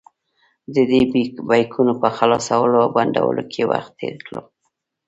ددې بیکونو په خلاصولو او بندولو کې وخت تېر کړم.